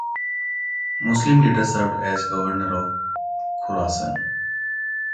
Muslim later served as governor of Khurasan.